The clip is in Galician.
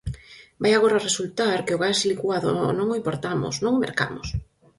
Vai agora resultar que o gas licuado non o importamos, non o mercamos.